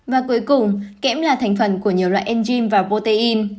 và cuối cùng kém là thành phần của nhiều loại enzyme và protein